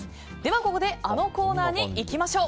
ここであのコーナーにいきましょう。